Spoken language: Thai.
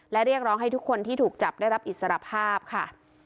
และเรียกร้องให้ทุกคนที่ถูกจับได้รับอิสรภาพค่ะ